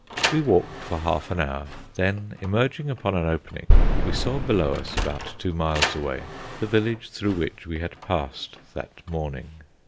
We walked for half an hour, then emerging upon an opening, we saw below us, about two miles away, the village through which we had passed that morning.